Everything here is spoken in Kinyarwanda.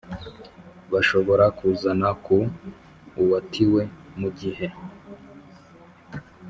Bashobora kuzana ku uwatiwe mu gihe